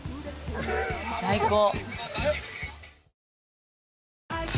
最高。